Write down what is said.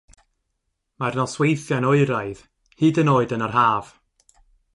Mae'r nosweithiau'n oeraidd, hyd yn oed yn yr haf.